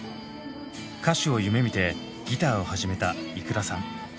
歌手を夢みてギターを始めたｉｋｕｒａさん。